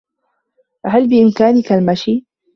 هل بإمكانك المشي؟